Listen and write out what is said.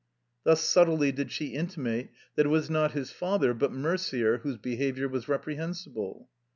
'' Thus subtly did she intimate that it was not his father but Merder whose behavior was reprehen sible.